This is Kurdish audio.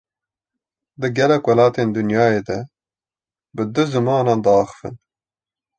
Di gelek welatên dinyayê de, bi du zimanan dixwînin